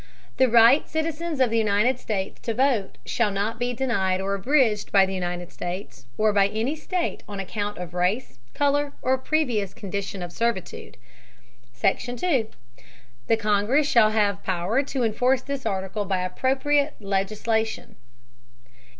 The right citizens of the United States to vote shall not be denied or abridged by the United States or by any State on account of race, color, or previous condition of servitude. SECTION 2. The Congress shall have power to enforce this article by appropriate legislation.